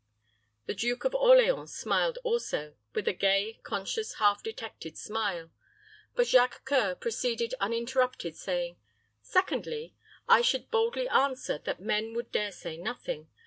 The Duke of Orleans smiled also, with a gay, conscious, half detected smile; but Jacques C[oe]ur proceeded uninterrupted, saying, "Secondly, I should boldly answer that men would dare say nothing.